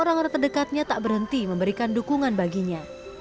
orang orang terdekatnya tak berhenti memberikan dukungan baginya